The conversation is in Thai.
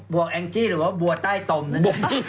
บัวแองจี่หรือว่าบัวใต้ต้ม